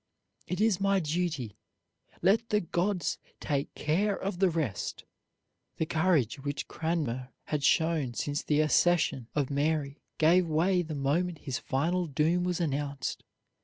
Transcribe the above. It is my duty. Let the gods take care of the rest." The courage which Cranmer had shown since the accession of Mary gave way the moment his final doom was announced.